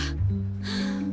はあ。